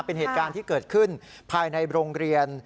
เป็นเหตุการณ์ที่เกิดขึ้นภายในโรงเรียน